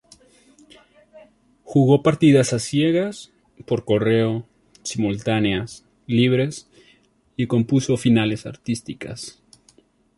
Jugó partidas a ciegas, por correo, simultáneas, libres, y compuso finales artísticas.